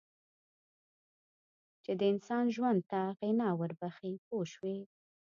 چې د انسان ژوند ته غنا ور بخښي پوه شوې!.